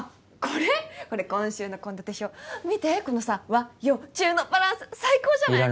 これ今週の献立表見てこのさ和洋中のバランス最高じゃない？